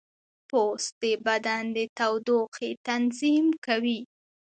پوست د بدن د تودوخې تنظیم کوي.